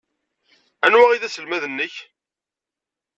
Anwa ay d aselmad-nnek?